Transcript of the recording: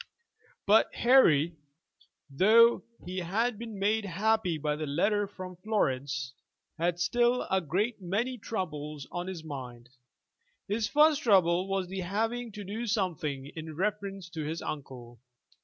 But Harry, though he had been made happy by the letter from Florence, had still a great many troubles on his mind. His first trouble was the having to do something in reference to his uncle.